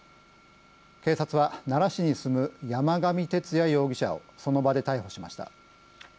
警察は奈良市に住む、山上徹也容疑者をその場で逮捕しました。